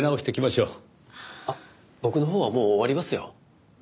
僕のほうはもう終わりますよ。